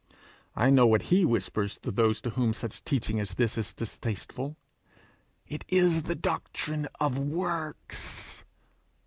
I know what he whispers to those to whom such teaching as this is distasteful: 'It is the doctrine of works!'